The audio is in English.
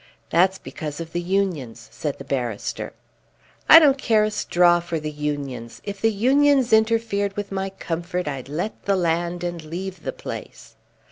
"That's because of the Unions," said the barrister. "I don't care a straw for the Unions. If the Unions interfered with my comfort I'd let the land and leave the place."